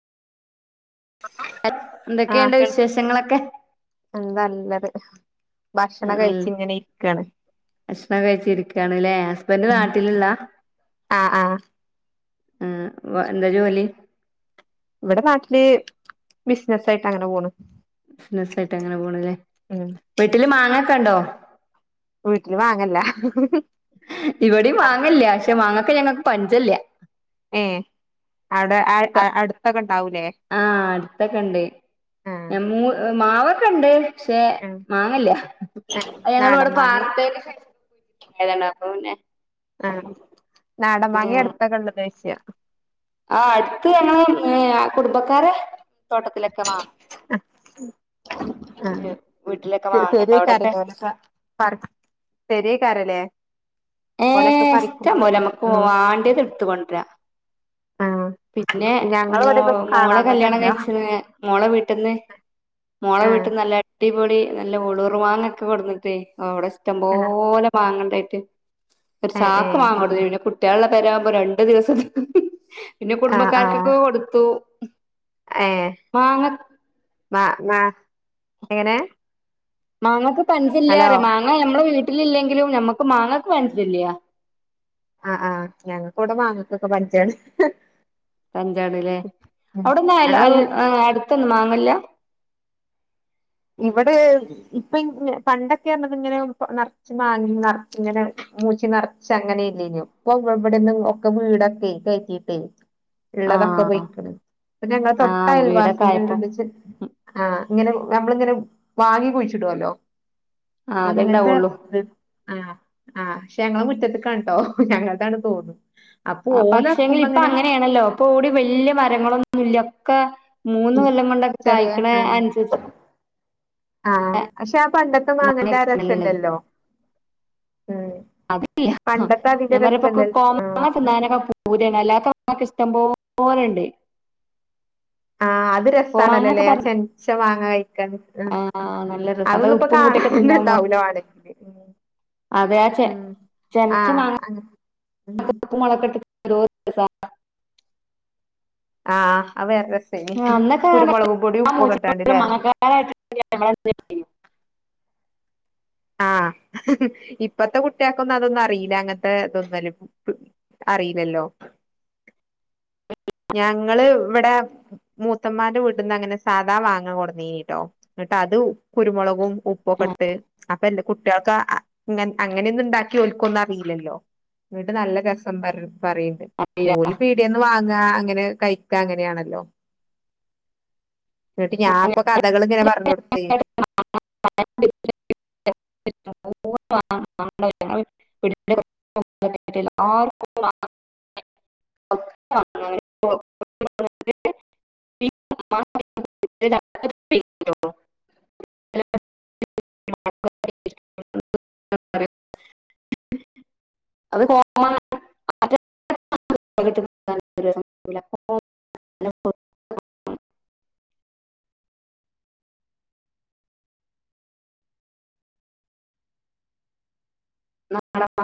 ആഹ് എന്തൊക്കെയണ്ട് കേൾ വിശേഷങ്ങളൊക്കെ നല്ലത് ഭക്ഷണം മും കഴിച്ച് ഇങ്ങനെ ഇരിക്കാണ് ഭക്ഷണം കഴിച്ച് ഇരിക്കാണല്ലെ ഹസ്ബൻഡ് ഉം നാട്ടിലില്ല ആഹ് ആഹ് മും എന്താ ജോലി ഇവിടെ നാട്ടില് ബിസിനസ്സ് ആയിട്ട് അങ്ങനെ പോണ് ബിസിനസ് ആയിട്ട് അങ്ങനെ പോണല്ലേ ഉം വീട്ടില് മാങ്ങൊക്കെ ഉണ്ടോ വീട്ടില് മങ്ങല്ല ഇവിടെയും മാങ്ങല്യ പക്ഷെ മാങ്ങ ഇപ്പൊ ഞങ്ങക്ക് പഞ്ചല്യ ഏ അവിട അ അടുത്ത ആ അടുത്തൊക്കെ ഉണ്ട് ആഹ് ഞ മൂ മാവൊക്കെ ഉണ്ട് ശേ ആഹ് മാങ്ങില്ല അ ഞങ്ങള് നാടൻ ഇവിടെ മാങ്ങേ പാർത്ത് ഏതാണ്ട് അപ്പൊ പിന്നെ ആ നാടൻ മങ്ങ്യ അടുതൊക്കെ ഉള്ളത് ഈസ്യ ആ അടുത്ത് ഞങ്ങള് ഏ കുടുംബക്കാര മൂ ആ വീട്ടിലൊക്കെ മാങ്ങണ്ട് ചെറിയ അവിടൊക്കെ കാര്യങ്ങൾക്ക് പറിച്ചിട്ട് പേരെല് കരല്ലേ ഏ ഇഷ്ടം പോലെ നമ്മക്ക് ആഹ് വാണ്ടിയത് എടുത്ത കൊണ്ടരാ ആഹ് പിന്നെ ഞങ്ങള് മോ ഇവിടെയൊന്നും മോളെ കാണാൻ കല്യാണം തന്നെല്ല കഴിച്ചണ് മോള വീട്ടന്ന് മോള ആഹ് വീട്ടന്നല്ല അടി പൊളി നല്ല ഉളുർ വാങ്ങ ഒക്കെ കൊടുന്നട്ടേ ആ അവിടെ ആഹ് ഇഷ്ടംപോലെ മാങ്ങഉണ്ടയ് ഒരു ഏഹ് ചാക്ക് ഏഹ് മാങ്ങട്ന് ഹു കുറ്റെള പെരവുമ്പോ രണ്ടു ദിവസം നിക്കും പിന്നെ കുടുംബക്കാർക്കൊക്കെ കൊടുത്തു ഏ മാങ്ങ മാ ണ എങ്ങനെ മാങ്ങക്ക് ഹലോ പഞ്യാല്യർ മാങ്ങ മ്മടെ വീട്ടിൽ വീട്ടിലില്ലെങ്കിലും നമ്മക്ക് മാങ്ങക്ക് പഞ്ചല്യ ആ ആ ഞങ്ങൾക്ക് ഇവടെ മാങ്ങക്കൊക്കെ പഞ്ചാണ് പഞ്ചാടല്ലേ അവിടെന്ന അൽ ഞങ്ങള് അൽ അടുത്തന്ന് മാങ്ങ അല്ല ഇവിടെ ഇപ്പ ഇ പണ്ടൊക്കെ പറഞ്ഞത് ഇങ്ങനെ നെറച്ച് മാങ്ങി നെറച്ച് ഇങ്ങനെ മൂച്ചി നിറച്ച് അങ്ങനെ ഇല്ലേനു ഇപ്പൊ ഇവിടെന്ന് ഒക്കെ വീടൊക്കെ കയറ്റീട്ടേ ഉള്ളതൊക്കെ ആഹ് പോയിക്കണ് ഇ പ്പ ഞങ്ങള് തൊട്ട ആഹ് വീടൊക്കെ ആയപ്പോ അയൽവാസിന്റെ ആ ങ്ങനെ നമ്മ ആ അത്ണ്ടാവുള്ളൂ അങ്ങനത്തെത് ആ ആഹ് ക്ഷെ ഞങ്ങള മുറ്റത്ത്ക്കണ്ട്ട്ടോ ഞങ്ങളതാണ് തോന്നും ആ പക്ഷെങ്കിൽ ഇപ്പ അങ്ങനെയാണല്ലോ ഇപ്പ ഓടി വല്യ മരങ്ങളൊന്നുംല്ല ക്ക മൂന്ന് കൊല്ലം കൊണ്ടക്കെ ചെറിയ കഴ്ക്കണ ആ അനുസരിച്ച് ആഹ് പക്ഷെ ആ പണ്ടത്തെ മാങ്ങന്റെ മാങ്ങയാണല്ലോള്ളത് രസല്ലല്ലോ ഉം അതില്ല പണ്ടത്തെ അതിന്റെ ഞാൻ പറയുപ്പോ രസല്ലല്ലോ ആഹ് [unintelligible] അല്ലാതെ. നമുക്ക് ഇഷ്ടപോലെ ഉണ്ട്. ആഹ് അത് രസമാണല്ലോല്ലേ ആ ചെനച്ച മാങ്ങ കഴിക്കാൻ ഉം ആ നല്ല രസ അത് അതൊന്നും ഇപ്പോ ഉപ്പും കാണാൻ കൂട്ടിയൊക്കെ തന്നെ തിന്നാൻ മോ ഉണ്ടാവില്ല. [unintelligible] അതെ ആ ചെ ഉം ചെനച്ച ആഹ് മാങ്ങ അത്. ഉം [unintelligible] ആഹ് അവയൊക്കെ. അന്നൊക്കെ. [unintelligible] ഇട്ടാണ്ട്ല്ലേ ആഹ് ഇപ്പത്തെ കുട്ടിയക്കൊന്നും അതൊന്നും അറിയില്ല അങ്ങനത്തെ ഇതൊന്നും ഉം അറിയില്ലല്ലോ. ഞങ്ങള് ഇവിടെ മൂത്തമ്മാന്റെ വീട്ടിന്ന് അങ്ങനെ സാധാ മാങ്ങ കൊടന്നീനട്ടോ എന്നിട്ട് അത് കുരുമുളകും. ഉപ്പൊക്കെ ഇട്ട് അപ്പ എന്റെ കുട്ടികൾക്ക ഇങ്ങ അങ്ങനെയൊന്നും ഉണ്ടാക്കി ഓലിക്ക് ഒന്നും അറിയില്ലല്ലോ എന്നിട്ട് നല്ലരസ പറഞ്ഞു. പറയണ്ട് ഓല് പീടിയാന്ന് വാങ്ങി. [unintelligible] അങ്ങനെ കഴിക്ക് അങ്ങനെയാണല്ലോ. എന്നിട്ട് ഞാൻ ഇപ്പൊ കഥകള് ഇങ്ങനെ പറഞ്ഞു കൊടുത്തെ. [inaudible] [unintelligible] അത് [unintelligible] [unintelligible] [unintelligible] [unintelligible]